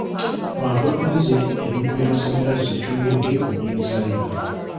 Abantu batunze ebintu by'amasannyalaze ekyongedde ku nnyingiza yaabwe.